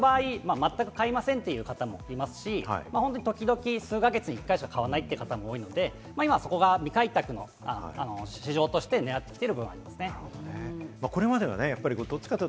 冷凍食品、男性の場合は全く買いませんって方もいますし、時々、数か月に１回しか買わない方も多いので、今そこが未開拓の市場として、ねらってきている部分ではあります。